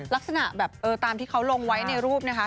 ลักษณะแบบตามที่เขาลงไว้ในรูปนะคะ